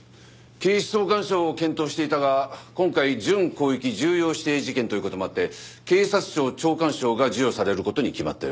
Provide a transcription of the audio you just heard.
警視総監賞を検討していたが今回準広域重要指定事件という事もあって警察庁長官賞が授与される事に決まったようだ。